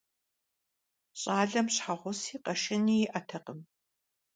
Щӏалэм щхьэгъуси къэшэни иӀэтэкъым.